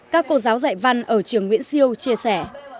các cô giáo dạy văn ở trường nguyễn siêu chia sẻ